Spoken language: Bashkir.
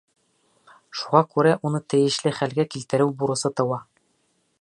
Шуға күрә уны тейешле хәлгә килтереү бурысы тыуа.